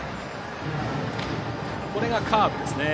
これがカーブですね。